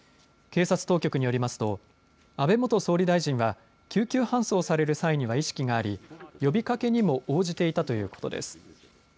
警察当局によりますと安倍元総理大臣は救急搬送される際には意識があり、呼びかけにも応じていたということです。